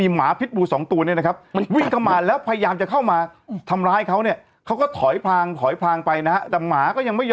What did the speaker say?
หมาพิษบูอีกแล้วอะหมาพิษบูอ้าวคุณบ้าไปเลย